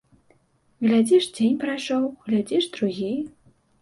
Глядзіш дзень прайшоў, глядзіш другі.